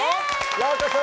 ようこそ！